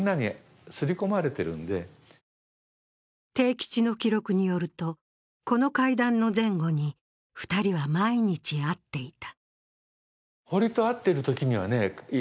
悌吉の記録によると、この会談の前後に２人は毎日会っていた。